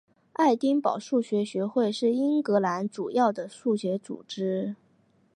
爱丁堡数学学会是苏格兰主要的数学组织。